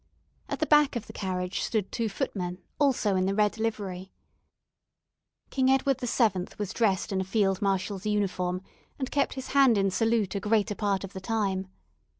At the back of the carriage stood two footmen, also in the red livery. King Edward VII. was dressed in a field marshal's uniform, and kept his hand in salute a greater part of the time.